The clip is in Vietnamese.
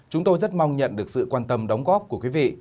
chúng tôi rất mong nhận được sự quan tâm đóng góp của quý vị